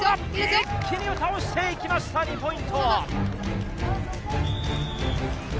一気に倒していきました、２ポイント。